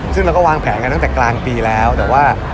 ซึ่งเราก็วางแผนกันตั้งแต่กลางปีแล้วแต่ว่า